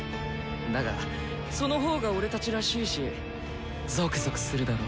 だがその方が俺たちらしいしゾクゾクするだろ？